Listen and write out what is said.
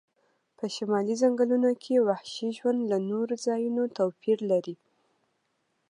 په شمالي ځنګلونو کې وحشي ژوند له نورو ځایونو توپیر لري